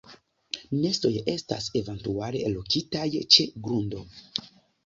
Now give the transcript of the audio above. Nestoj estas eventuale lokitaj ĉe grundo.